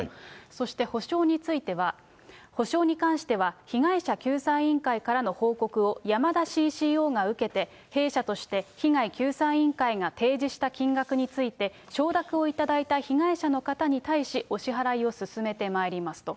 そして補償については、補償に関しては、被害者救済委員会からの報告を山田ＣＣＯが受けて、弊社として被害救済委員会が提示した金額について、承諾を頂いた被害者の方に対し、お支払いを進めてまいりますと。